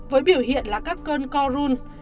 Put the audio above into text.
với biểu hiện là các cơn co run